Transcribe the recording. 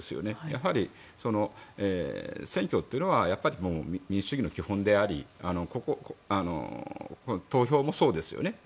やはり、選挙というのは民主主義の基本であり投票もそうですよね。